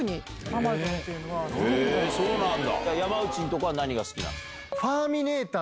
山内のとこは何が好きなの？